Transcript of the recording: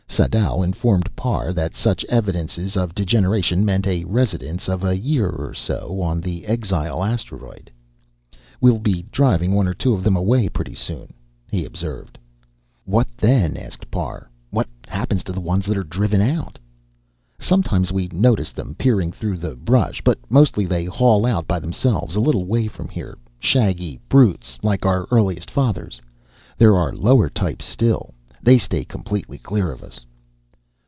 Sadau informed Parr that such evidences of degeneration meant a residence of a year or so on the exile asteroid. "We'll be driving one or two of them away pretty soon," he observed. "What then?" asked Parr. "What happens to the ones that are driven out?" "Sometimes we notice them, peering through the brush, but mostly they haul out by themselves a little way from here shaggy brutes, like our earliest fathers. There are lower types still. They stay completely clear of us."